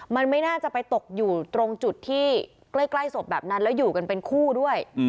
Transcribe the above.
มันไม่น่าจะไปตกอยู่ตรงจุดที่ใกล้ศพแบบนั้นแล้วอยู่กันเป็นคู่ด้วย